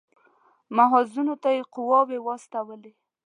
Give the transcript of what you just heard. محاذونو ته یې قواوې واستولې.